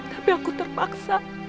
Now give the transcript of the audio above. tapi aku terpaksa